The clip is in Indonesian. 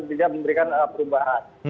tidak memberikan perubahan